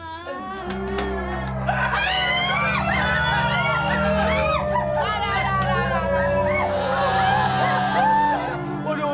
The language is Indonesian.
aduh aduh aduh